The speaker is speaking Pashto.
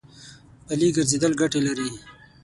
پلي ګرځېدل ګټه لري.